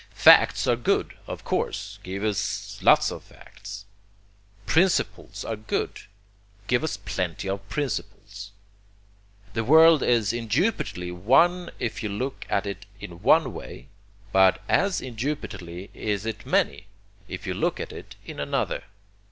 Facts are good, of course give us lots of facts. Principles are good give us plenty of principles. The world is indubitably one if you look at it in one way, but as indubitably is it many, if you look at it in another.